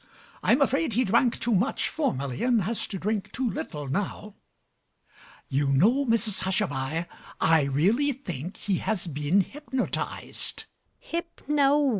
I am afraid he drank too much formerly, and has to drink too little now. You know, Mrs Hushabye, I really think he has been hypnotized. GUINNESS.